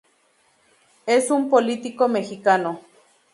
Es un político mexicano.